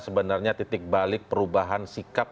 sebenarnya titik balik perubahan sikap